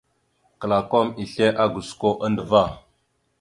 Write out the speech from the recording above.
Klakom islégosko andəvá.